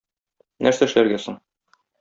Нәрсә эшләргә соң?